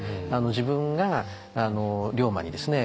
自分が龍馬にですね